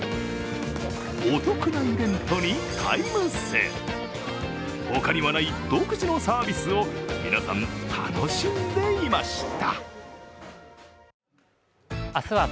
お得なイベントにタイムセール、他にはない独自のサービスを皆さん楽しんでいました。